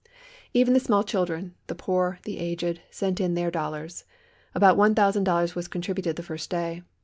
Even the small children, the poor, the aged, sent in their dollars. About one thousand dollars was contributed the first day.